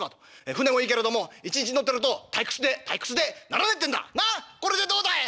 舟もいいけれども一日乗ってると退屈で退屈でならねえってんだ』。なあ？これでどうだい？